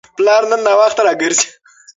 پلار نن ناوخته راګرځي.